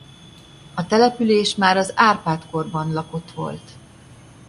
A település már az Árpád-korban lakott volt.